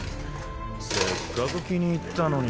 せっかく気に入ったのに。